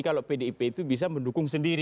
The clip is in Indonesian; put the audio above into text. kalau pdip itu bisa mendukung sendiri